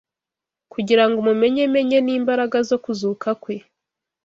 kugira ngo mumenye menye n’imbaraga zo kuzuka kwe